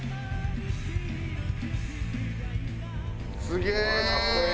すげえ！